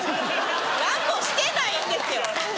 何もしてないんですよ。